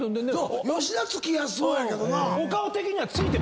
吉田憑きやすそうやけどな。